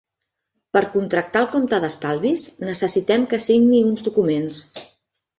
Per contractar el compte d'estalvis, necessitem que signi uns documents.